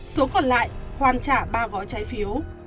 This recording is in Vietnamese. số còn lại hoàn trả ba gói trái phiếu